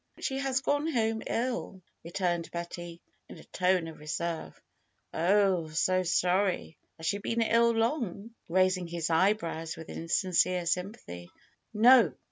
^^She has gone home ill," returned Betty in a tone of reserve. ^^Oh, so sorry! Has she been ill long?" raising his eyebrows with insincere sympathy. ^^No